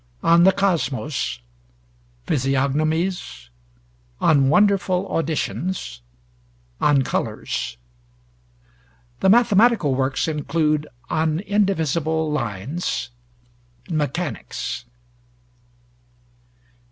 'On the Cosmos,' 'Physiognomies,' 'On Wonderful Auditions,' 'On Colors.' The Mathematical works include 'On Indivisible Lines,' 'Mechanics.'